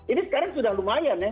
ini sekarang sudah lumayan ya